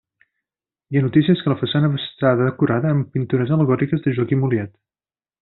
Hi ha notícies que la façana va estar decorada amb pintures al·legòriques de Joaquim Oliet.